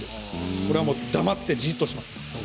ここは、黙ってじっとします。